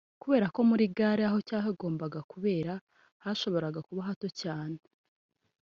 kubera ko muri Gare aho cyagombaga kubera bashoboraga kuba hato cyane